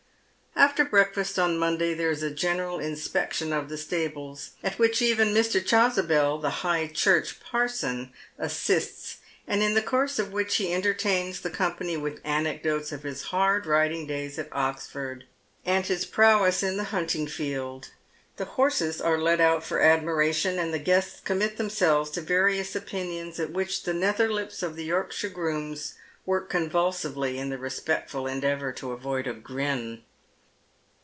After breakfast on Monday there is a general inspection of the fitables, at which even Mi . Chasubel, the High Church parson, assists, and in the course of which he entertains the company with anecdotes of his hard riding days at Oxford, and his prowess in the hunting field. The horses are led out for admiration, and the guests commit themselves to various opinions, at which tli© nether lips of the Yorksliire grooms work convulsively in the respectful endeavour to avoid a grin.